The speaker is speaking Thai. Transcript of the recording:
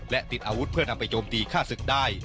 และติดอาวุธเพื่อนำไปโจมตีฆ่าศึกได้